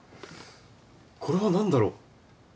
これはなんだろう？